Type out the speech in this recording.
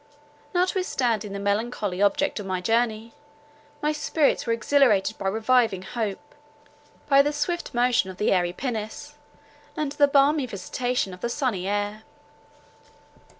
Notwithstanding the melancholy object of my journey, my spirits were exhilarated by reviving hope, by the swift motion of the airy pinnace, and the balmy visitation of the sunny air.